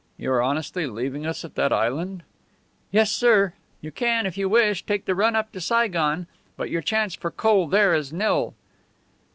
"You are honestly leaving us at that island?" "Yes, sir. You can, if you wish, take the run up to Saigon; but your chance for coal there is nil."